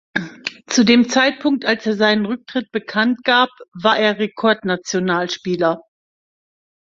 Zu dem Zeitpunkt, als er seinen Rücktritt bekannt gab, war er Rekordnationalspieler.